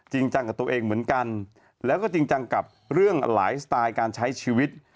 จริงจังกับตัวเองเหมือนกันแล้วก็จริงจังกับเรื่องหลายสไตล์การใช้ชีวิต